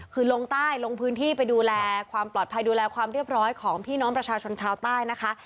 คือลงใต้ลงพื้นที่ไปดูแลความปลอดภัยดูแลความเรียบร้อยของพี่น้องประชาชนชาวใต้นะคะ